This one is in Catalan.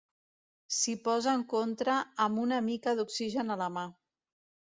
S'hi posa en contra amb una mica d'oxigen a la mà.